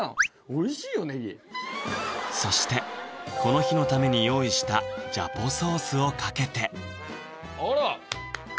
おいしいよネギそしてこの日のために用意したジャポソースをかけてあら！